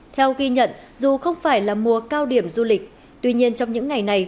theo ghi nhận dù không phải là mùa cao điểm du lịch tuy nhiên trong những ngày này